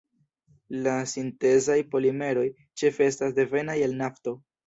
La sintezaj polimeroj ĉefe estas devenaj el nafto.